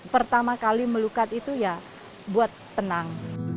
pertama kali melukat itu ya buat tenang